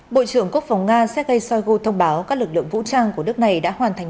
bộ trưởng quốc phòng nga sergei shoigu thông báo các lực lượng vũ trang của nước này đã hoàn thành